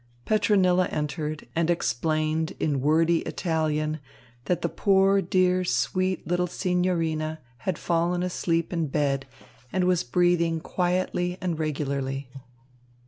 Petronilla entered and explained in wordy Italian that the poor, dear, sweet little signorina had fallen asleep in bed and was breathing quietly and regularly.